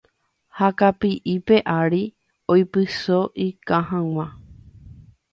ha kapi'ipe ári oipyso ikã hag̃ua.